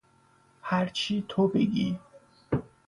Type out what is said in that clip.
هرچی تو بگی.